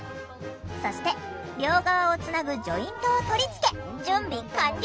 そして両側をつなぐジョイントを取り付け準備完了！